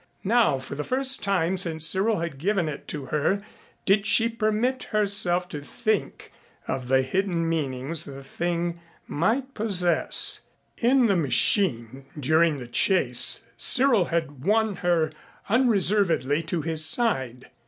Now for the first time since Cyril had given it to her did she permit herself to think of the hidden meanings the thing might possess. In the machine, during the chase Cyril had won her unreservedly to his side.